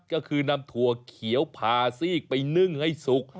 ก็คือนำถั่วเขียวพาซีกไปนึ่งให้สุก